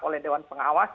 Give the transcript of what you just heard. oleh doan pengawas